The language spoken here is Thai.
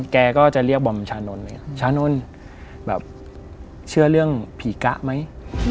แกก็จะเรียกบอมชานนท์ไหมครับชานนท์แบบเชื่อเรื่องผีกะไหม